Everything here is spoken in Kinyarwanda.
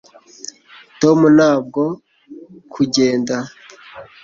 tom ntabwo kugenda